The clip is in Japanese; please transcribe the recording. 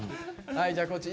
はいじゃあ地